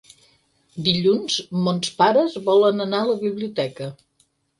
Dilluns mons pares volen anar a la biblioteca.